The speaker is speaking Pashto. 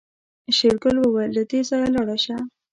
شېرګل وويل له دې ځايه لاړه شه.